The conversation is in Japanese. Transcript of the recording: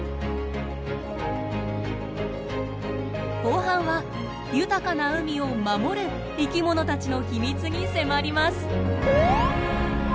後半は豊かな海を守る生き物たちの秘密に迫ります。